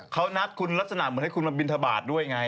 เขานัดคุณลักษณะเหมือนให้คุณมาบินทบาทด้วยไง